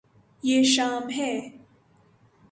یے شام ہے